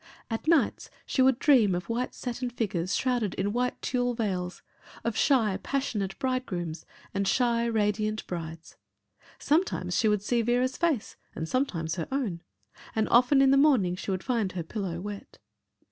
At nights she would dream of white satin figures shrouded in white tulle veils, of shy, passionate bridegrooms and shy, radiant brides. Sometimes she would see Vera's face and sometimes her own and often in the morning, she would find her pillow wet.